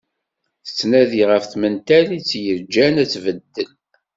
Tettnadi ɣef tmental i t-yeǧǧan ad ibeddel.